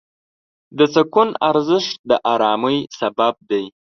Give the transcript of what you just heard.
د سکون ارزښت د آرامۍ سبب دی.